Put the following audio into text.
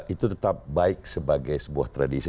itu tetap baik sebagai sebuah tradisi